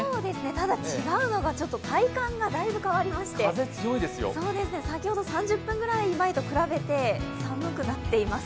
ただ、違うのが体感がだいぶ変わりまして、先ほど３０分ぐらい前と比べて寒くなっています。